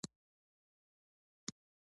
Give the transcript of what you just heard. افغانستان د مېوې د ساتنې لپاره قوانین لري.